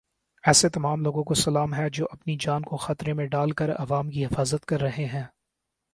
ایسے تمام لوگوں کو سلام ہے جو اپنی جان کو خطرے میں ڈال کر عوام کی حفاظت کر رہے ہیں۔